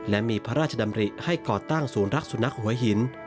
และมีพระราชดำริให้ก่อตั้งศูนย์รักสุนัขหัวหิน